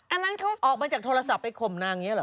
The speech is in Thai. อันนั้นเขาออกมาจากโทรศัพท์ไปข่มนางอย่างนี้เหรอ